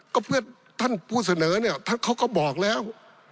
ก็เพื่อท่านผู้เสนอเนี่ยเขาก็บอกแล้ว